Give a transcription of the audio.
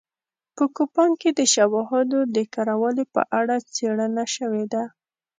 په کوپان کې د شواهدو د کره والي په اړه څېړنه شوې ده